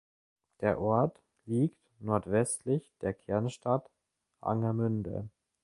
Der Ort liegt nordwestlich der Kernstadt Angermünde.